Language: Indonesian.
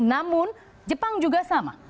namun jepang juga sama